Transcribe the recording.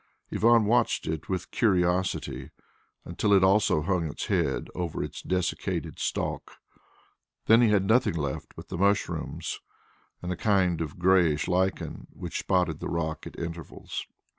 Ivan watched it with curiosity until it also hung its head over its desiccated stalk. Then he had nothing left but the mushrooms and a kind of greyish lichen which spotted the rock at intervals.